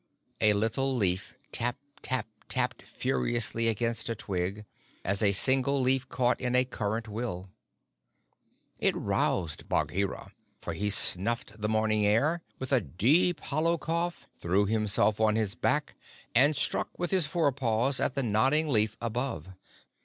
A little leaf tap tap tapped furiously against a twig, as a single leaf caught in a current will. It roused Bagheera, for he snuffed the morning air with a deep, hollow cough, threw himself on his back, and struck with his fore paws at the nodding leaf above.